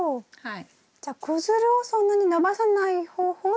じゃあ子づるをそんなに伸ばさない方法ってことですね？